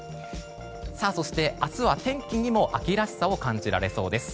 そして明日は天気にも秋らしさを感じられそうです。